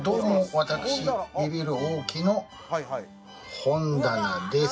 私ビビる大木の本棚です。